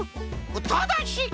ただし！